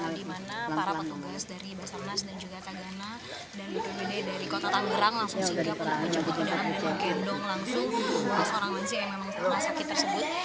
dimana para petugas dari besar mas dan juga kagana dan juga bd dari kota tangerang langsung singgah menjemput ke dalam dan menggendong langsung seorang lansia yang memang sakit tersebut